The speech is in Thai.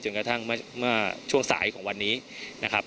กระทั่งเมื่อช่วงสายของวันนี้นะครับ